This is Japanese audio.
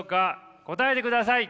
答えてください。